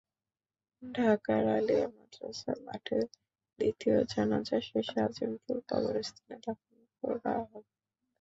ঢাকার আলিয়া মাদ্রাসা মাঠে দ্বিতীয় জানাজা শেষে আজিমপুর কবরস্থানে দাফন করা হবে।